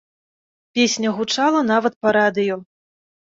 Песня гучала нават па радыё.